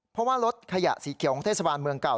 เพราะว่ารถขยะสีเขียวของเทศบาลเมืองเก่า